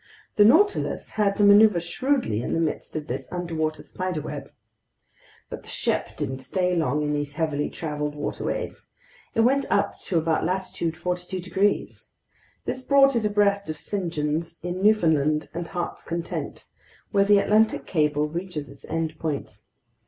The Nautilus had to maneuver shrewdly in the midst of this underwater spiderweb. But the ship didn't stay long in these heavily traveled waterways. It went up to about latitude 42 degrees. This brought it abreast of St. John's in Newfoundland and Heart's Content, where the Atlantic Cable reaches its end point.